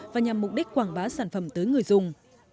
và nhằm mục đích quảng bá sản phẩm tới người dùng